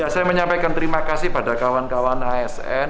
saya menyampaikan terima kasih pada kawan kawan asn